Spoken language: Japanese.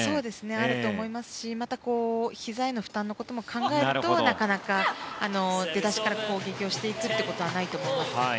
あると思いますしひざへの負担のことも考えるとなかなか出だしから攻撃していくことはないと思います。